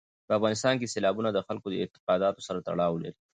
په افغانستان کې سیلابونه د خلکو د اعتقاداتو سره تړاو لري.